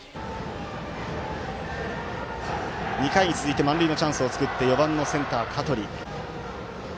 ２回に続いて満塁のチャンスを作って４番のセンター、香取。